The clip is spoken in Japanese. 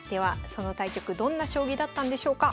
その対局どんな将棋だったんでしょうか？